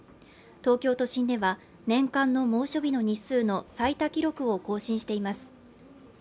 東京都心では年間の猛暑日の日数の最多記録を更新しています。